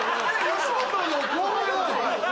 吉本の後輩なの？